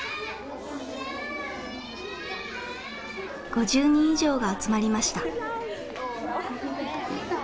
５０人以上が集まりました。